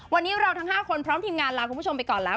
วันนี้เราทั้ง๕คนพร้อมทีมงานลาคุณผู้ชมไปก่อนแล้ว